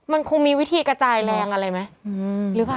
มันคงมีวิธีกระจายแรงอะไรไหมหรือเปล่า